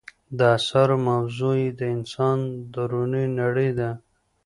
د اثارو موضوع یې د انسان دروني نړۍ ده.